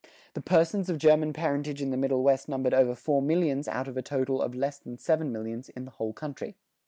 The persons of German parentage in the Middle West numbered over four millions out of a total of less than seven millions in the whole country.